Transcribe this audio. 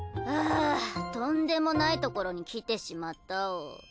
あとんでもないところに来てしまったお。